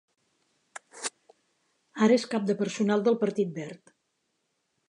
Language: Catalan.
Ara és cap de personal del Partit Verd.